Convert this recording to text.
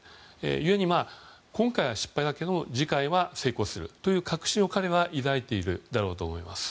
ゆえに、今回は失敗だけど次回は成功するという確信を彼は抱いているだろうと思います。